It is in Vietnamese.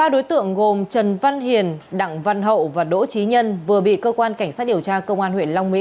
ba đối tượng gồm trần văn hiền đặng văn hậu và đỗ trí nhân vừa bị cơ quan cảnh sát điều tra công an huyện long mỹ